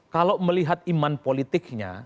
kalau melihat iman politiknya